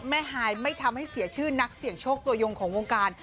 ฮายไม่ทำให้เสียชื่อนักเสี่ยงโชคตัวยงของวงการ